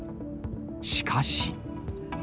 しかし。